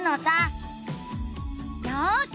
よし！